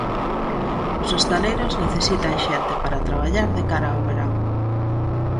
Os hostaleiros necesitan xente para traballar de cara ao verán.